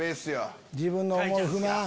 自分の思う不満。